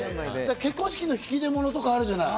結婚式の引出物とかあるじゃない？